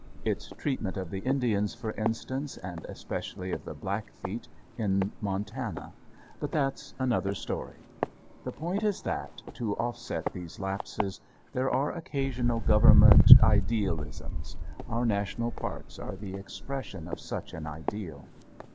Its treatment of the Indians, for instance, and especially of the Blackfeet, in Montana. But that's another story. The point is that, to offset these lapses, there are occasional Government idealisms. Our National Parks are the expression of such an ideal.